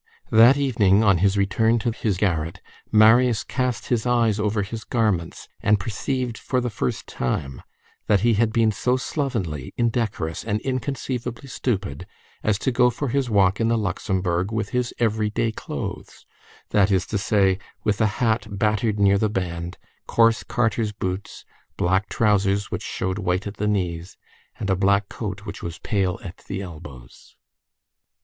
That evening, on his return to his garret, Marius cast his eyes over his garments, and perceived, for the first time, that he had been so slovenly, indecorous, and inconceivably stupid as to go for his walk in the Luxembourg with his "every day clothes," that is to say, with a hat battered near the band, coarse carter's boots, black trousers which showed white at the knees, and a black coat which was pale at the elbows.